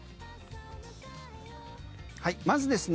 まずですね